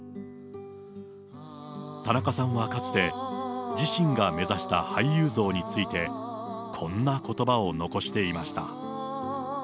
田中さんはかつて、自身が目指した俳優像について、こんなことばを残していました。